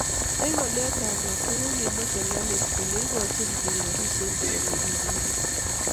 Eng ngolyot ab robta kokimwa serikalit kole igochin bik rabisiek so koribe ke